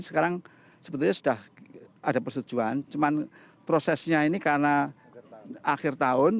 sekarang sebetulnya sudah ada persetujuan cuman prosesnya ini karena akhir tahun